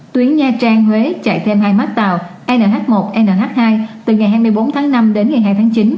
tuyến nha trang huế chạy thêm hai mắt tàu nh một nh hai từ ngày hai mươi bốn tháng năm đến ngày hai tháng chín